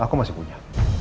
aku masih punya